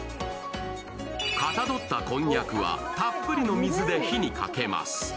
かたどったこんにゃくはたっぷりの水で火にかけます。